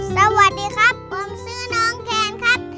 สวัสดีครับผมชื่อน้องแคนครับ